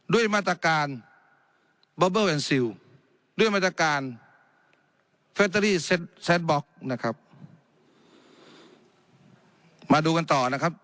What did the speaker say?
ด้วยมาตรการด้วยมาตรการนะครับดูกันต่อนะครับ